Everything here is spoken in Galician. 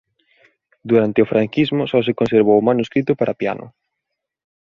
Durante o Franquismo só se conservou un manuscrito para piano.